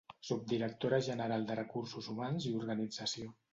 Subdirectora General de Recursos Humans i Organització.